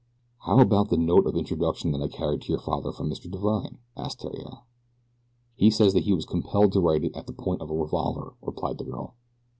"How about the note of introduction that I carried to your father from Mr. Divine?" asked Theriere. "He says that he was compelled to write it at the point of a revolver," replied the girl.